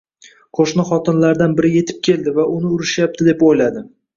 Qo'shni xotinlartsan biri yetib keldi va uni urishyapti deb o'yladi.